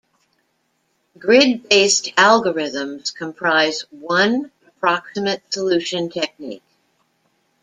Grid-based algorithms comprise one approximate solution technique.